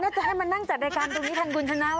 น่าจะให้มานั่งจากรายการตรงนี้ทางกุญชนาวะ